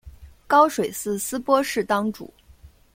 高水寺斯波氏当主。